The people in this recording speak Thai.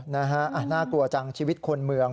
น่ากลัวจังชีวิตคนเมือง